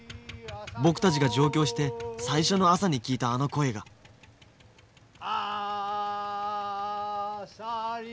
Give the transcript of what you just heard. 僕たちが上京して最初の朝に聞いたあの声があさり！